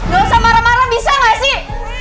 gak usah marah marah bisa nggak sih